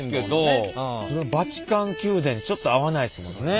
バチカン宮殿ちょっと合わないですもんね。